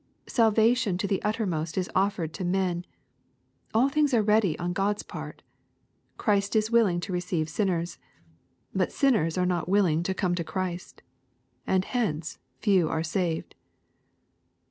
Salvation to the uttermost is offered to men. All things are ready on God's part. Christ is willing to receive sinners. But sinners are not willing to come to Christ. And hence few are saved.